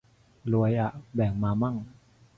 รวยอะ แบ่งมามั่ง